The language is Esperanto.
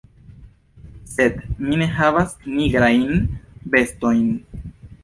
Sed mi ne havas nigrajn vestojn.